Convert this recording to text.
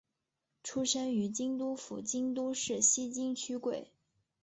出身于京都府京都市西京区桂。